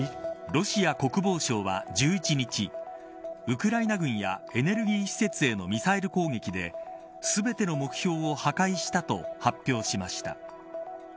ロシア国防省は、１１日ウクライナ軍やエネルギー施設へのミサイル攻撃で全ての目標を破壊したと発表しました。